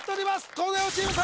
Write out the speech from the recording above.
東大王チーム３